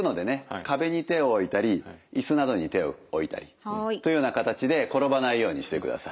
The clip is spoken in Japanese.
壁に手を置いたり椅子などに手を置いたりというような形で転ばないようにしてください。